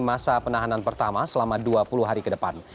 masa penahanan pertama selama dua puluh hari ke depan